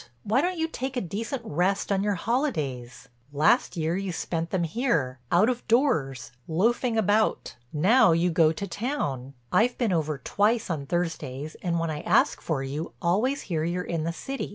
Why don't you take a decent rest on your holidays? Last year you spent them here, out of doors, loafing about. Now you go to town. I've been over twice on Thursdays and when I ask for you, always hear you're in the city.